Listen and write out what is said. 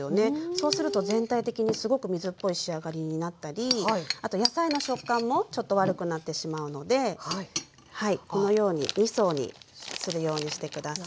そうすると全体的にすごく水っぽい仕上がりになったりあと野菜の食感もちょっと悪くなってしまうのでこのように２層にするようにして下さい。